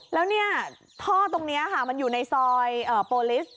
แล้วเนี่ยท่อตรงนี้ค่ะมันอยู่ในซอยโปรลิส